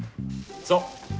そう。